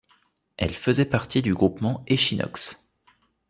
Elle faisait partie du groupement Echinox.